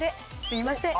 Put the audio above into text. すいません。